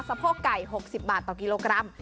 โพกไก่๖๐บาทต่อกิโลกรัม